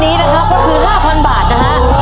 ถ้าถูกตัวนี้นะคะก็คือ๕๐๐๐บาท